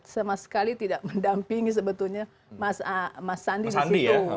sama sekali tidak mendampingi sebetulnya mas andi disitu